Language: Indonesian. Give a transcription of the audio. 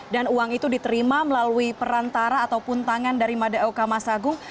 dan uang itu diterima melalui perantara ataupun tangan dari madeo kamasagung